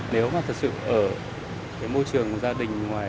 nếu mà thật sự ở cái môi trường gia đình ngoài